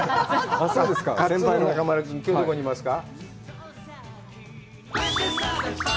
先輩の中丸君、きょうはどこにいますか。